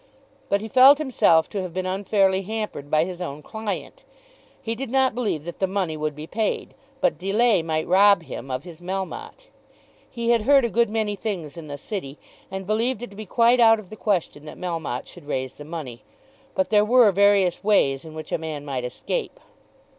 But he felt himself to have been unfairly hampered by his own client. He did not believe that the money would be paid; but delay might rob him of his Melmotte. He had heard a good many things in the City, and believed it to be quite out of the question that Melmotte should raise the money, but there were various ways in which a man might escape.